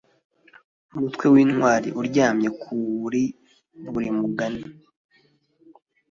umutwe wintwari uryamye kuri buri mugani